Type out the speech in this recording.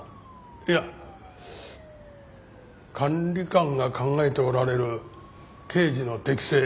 いや管理官が考えておられる刑事の適性